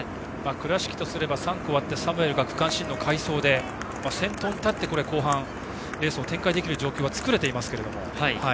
倉敷とすれば３区終わってサムエルが区間新の快走で先頭に立って後半レースを展開できる状況を作れていますけども。